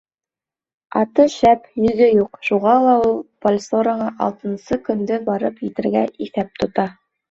Аты шәп, йөгө юҡ, шуға ла ул Бальсораға алтынсы көндө барып етергә иҫәп тота.